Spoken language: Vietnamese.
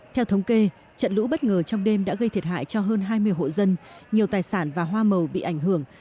theo thống kê trận lũ bất ngờ trong đêm đã gây thiệt hại cho hơn hai mươi hộ dân nhiều tài sản và hoa màu bị ảnh hưởng